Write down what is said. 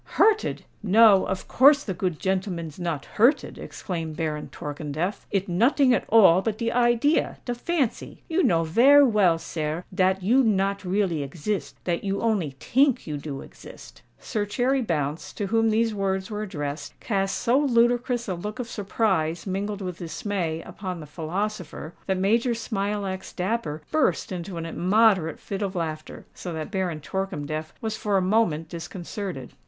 "Hurted! no—of course de good gentleman's not hurted," exclaimed Baron Torkemdef: "it noting at all but de idea—de fancy. You know vare well, sare, dat you not really exist—dat you only tink you do exist——" Sir Cherry Bounce, to whom these words were addressed, cast so ludicrous a look of surprise mingled with dismay upon the philosopher, that Major Smilax Dapper burst into an immoderate fit of laughter; so that Baron Torkemdef was for a moment disconcerted.